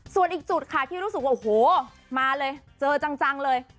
ส่วนอีกจุดค่ะที่รู้สึกว่าโอ้โหมาเลยเจอจังเลย